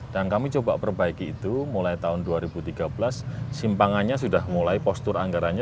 dan kami coba perbaiki itu mulai tahun dua ribu tiga belas simpangannya sudah mulai postur anggarannya